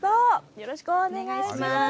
よろしくお願いします。